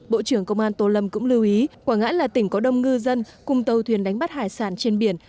bộ trưởng công an tô lâm cũng lưu ý quảng ngãi là tỉnh có đông ngư dân cùng tàu thuyền đánh bắt hải sản trên biển